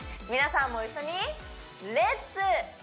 皆さんも一緒にレッツ！